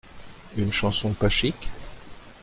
Une chanson pas chic ?